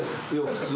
普通。